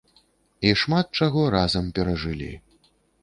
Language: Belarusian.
І шмат чаго разам перажылі.